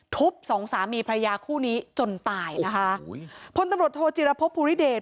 สองสามีพระยาคู่นี้จนตายนะคะอุ้ยพลตำรวจโทจิรพบภูริเดช